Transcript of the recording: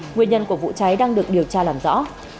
nguyên nhân của vụ cháy đang được điều tra làm rõ